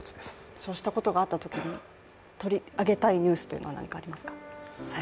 そうしたことがあったときに、取り上げたいニュースというのは何かありますか。